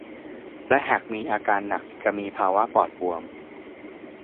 และหากมีอาการหนักจะมีภาวะปอดบวม